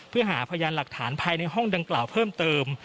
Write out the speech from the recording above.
เพื่อหาพยานหลักฐานภายในห้องดังกล่าวเพิ่มเติม